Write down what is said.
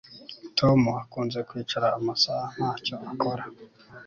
Tom akunze kwicara amasaha ntacyo akora